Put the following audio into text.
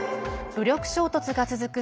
武力衝突が続く